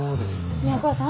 ねえお母さん？